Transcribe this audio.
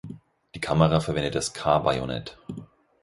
Die Kamera verwendet das K-Bajonett.